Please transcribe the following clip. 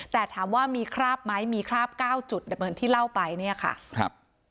แต่ถามว่ามีคราบไหมมีคราบเก้าจุดแต่เหมือนที่เล่าไปเนี่ยค่ะครับ